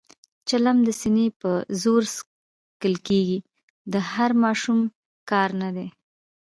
چلم د سینې په زور څکول کېږي، د هر ماشوم کار نه دی.